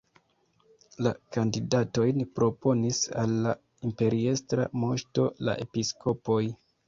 La kandidatojn proponis al la imperiestra moŝto la episkopoj.